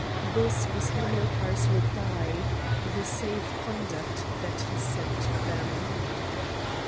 This was Hamilcar's reply, the safe conduct that he sent them.